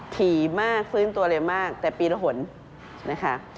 ผีมากฟื้นตัวเรียบมากแต่ปีระหล่นนะคะ